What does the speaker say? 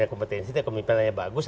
kompetensi dan kemampinan yang bagus